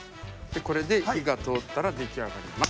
これで火が通ったら出来上がります。